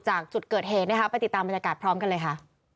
จากจุดเกิดเหตุนะคะไปติดตามบรรยากาศพร้อมกันเลยค่ะ